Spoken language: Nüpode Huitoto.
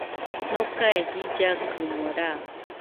Nokae jillakɨmo raɨ